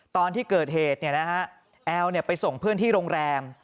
ตอนที่เกิดเหตุแอลไปส่งเพื่อนที่โรงแรม